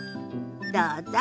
どうぞ。